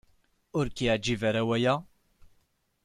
Ur k-yeɛjib ara waya?